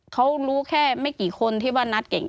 เขารู้แค่ไม่กี่คนที่ว่านัดเก่ง